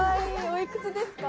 おいくつですか？